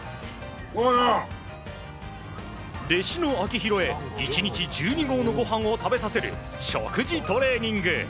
弟子の秋広へ１日１２合のご飯を食べさせる、食事トレーニング。